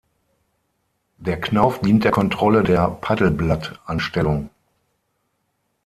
Der Knauf dient der Kontrolle der Paddelblatt-Anstellung.